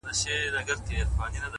زه هم له خدايه څخه غواړمه تا،